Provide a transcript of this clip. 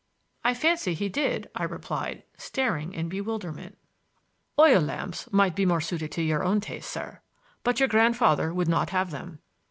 "I fancy he did," I replied, staring in bewilderment. "Oil lamps might be more suited to your own taste, sir. But your grandfather would not have them.